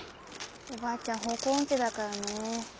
おばあちゃん方向音痴だからね。